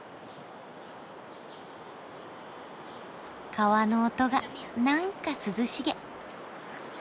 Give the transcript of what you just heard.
川の音がなんか涼しげ。